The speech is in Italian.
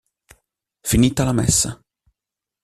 Finita la Messa.